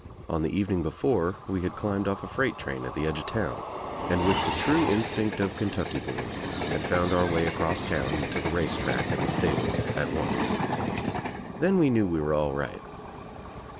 On the evening before we had climbed otf a freight train at the edge of town, and with the true instinct of Kentucky boys had found our way across town and to the race track and the stables at once. Then we knew we were all right.